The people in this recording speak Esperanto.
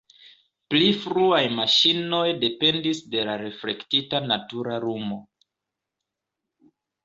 Pli fruaj maŝinoj dependis de la reflektita natura lumo.